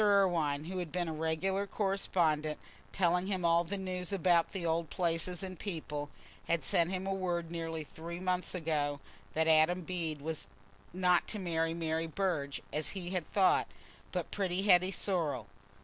Irwine, who had been a regular correspondent, telling him all the news about the old places and people, had sent him word nearly three months ago that Adam Bede was not to marry Mary Burge, as he had thought, but pretty Hetty Sorrel.